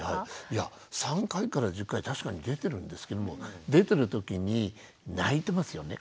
いや３回から１０回確かに出てるんですけれども出てる時に泣いてますよね。